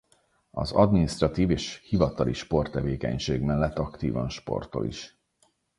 Az adminisztratív és hivatali sporttevékenység mellett aktívan sportol is.